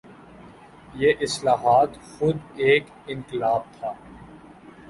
یہ اصلاحات خود ایک انقلاب تھا۔